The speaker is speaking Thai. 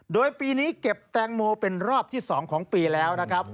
โดยปีนี้เก็บแตงโมเป็นรอบที่๒ของปีแล้วนะครับ